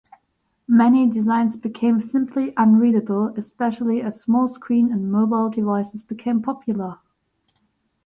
Many designs became simply unreadable, especially as small-screen and mobile devices became popular.